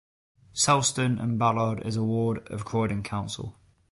Selsdon and Ballard is a ward of Croydon Council.